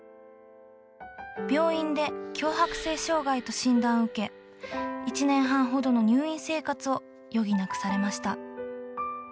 病院で強迫性障害と診断を受け１年半ほどの入院生活を余儀なくされました。